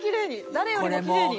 誰よりもきれいに。